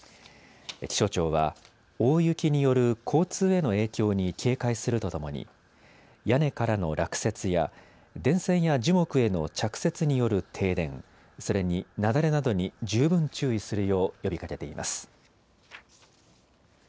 気象庁は大雪による交通への影響に警戒するとともに屋根からの落雪や電線や樹木への着雪による停電、それに雪崩などに十分注意するよう呼びかけています。